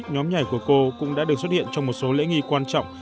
nhóm nhảy của cô cũng đã được xuất hiện trong một số lễ nghi quan trọng